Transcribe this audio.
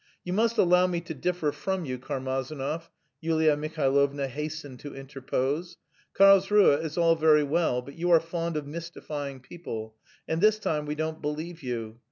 "You must allow me to differ from you, Karmazinov," Yulia Mihailovna hastened to interpose. "Karlsruhe is all very well, but you are fond of mystifying people, and this time we don't believe you.